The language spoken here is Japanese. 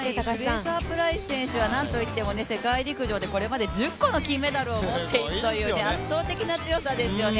フレーザープライス選手はなんといっても世界陸上でこれまで１０個の金メダルを持っているという圧倒的な強さですよね。